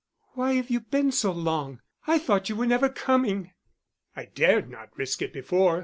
"Why have you been so long? I thought you were never coming." "I dared not risk it before.